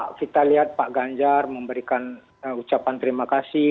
kita lihat pak ganjar memberikan ucapan terima kasih